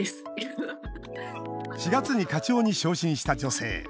４月に課長に昇進した女性。